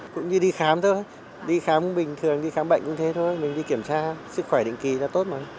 cũng như đi khám thôi đi khám bình thường đi khám bệnh cũng thế thôi mình đi kiểm tra sức khỏe định kỳ là tốt mà